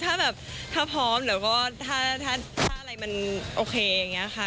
ถ้าแบบถ้าพร้อมแล้วก็ถ้าอะไรมันโอเคอย่างนี้ค่ะ